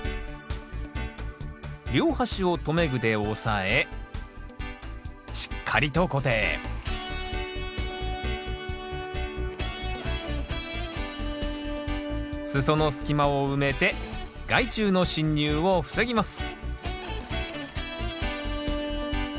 両端を留め具で押さえしっかりと固定裾の隙間を埋めて害虫の侵入を防ぎます